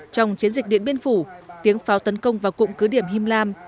trong chiến dịch điện biên phủ tiếng pháo tấn công vào cụm cứ điểm him lam